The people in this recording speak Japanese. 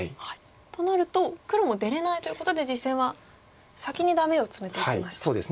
となると黒も出れないということで実戦は先にダメをツメていきました。